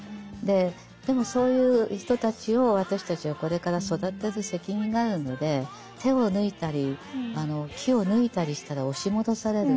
でもそういう人たちを私たちはこれから育てる責任があるので手を抜いたり気を抜いたりしたら押し戻される。